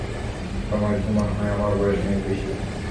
তোমার কি মনে হয় আমার বয়স অনেক বেশি?